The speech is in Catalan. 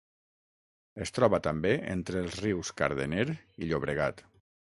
Es troba també entre els rius Cardener i Llobregat.